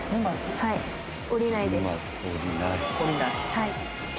はい。